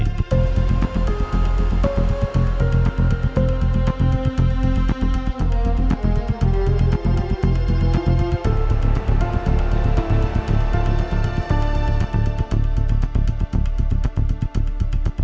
kenapa penipuan berkedok investasi